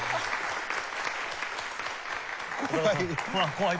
怖い。